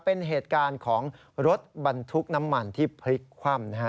เป็นเหตุการณ์ของรถบรรทุกน้ำมันที่พลิกคว่ำนะฮะ